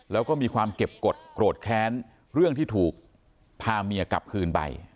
แล้วก็มีความเก็บกฎโกรธโกรธแค้นเรื่องที่ถูกพาเมียกลับคืนไป